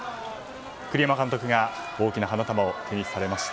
栗山監督が大きな花束を手にされました。